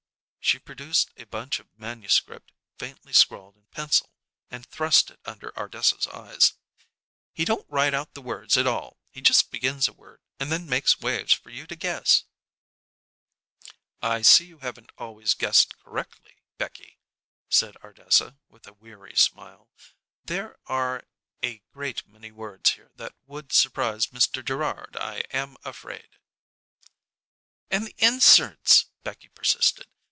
She produced a bunch of manuscript faintly scrawled in pencil, and thrust it under Ardessa's eyes. "He don't write out the words at all. He just begins a word, and then makes waves for you to guess." "I see you haven't always guessed correctly, Becky," said Ardessa, with a weary smile. "There are a great many words here that would surprise Mr. Gerrard, I am afraid." "And the inserts," Becky persisted.